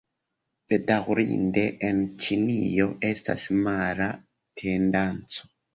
Bedaŭrinde, en Ĉinio estas mala tendenco.